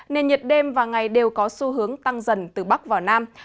nên nhiệt đêm và ngày đều có xu hướng tăng dần từ bắc vào nam